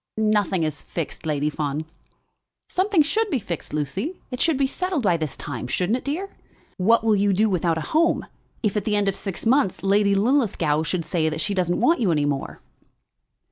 "Nothing is fixed, Lady Fawn." "Something should be fixed, Lucy. It should be settled by this time; shouldn't it, dear? What will you do without a home, if at the end of the six months Lady Linlithgow should say that she doesn't want you any more?"